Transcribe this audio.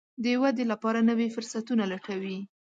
د ودې لپاره نوي فرصتونه لټوي.